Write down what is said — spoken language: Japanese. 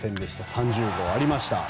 ３０号がありました。